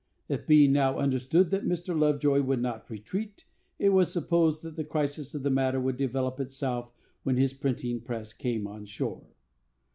It being now understood that Mr. Lovejoy would not retreat, it was supposed that the crisis of the matter would develop itself when his printing press came on shore.